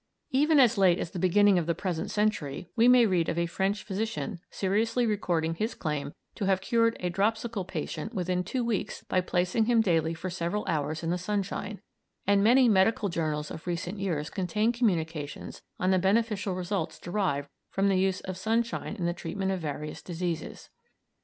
Even as late as the beginning of the present century we may read of a French physician seriously recording his claim to have cured a dropsical patient within two weeks by placing him daily for several hours in the sunshine, and many medical journals of recent years contain communications on the beneficial results derived from the use of sunshine in the treatment of various diseases.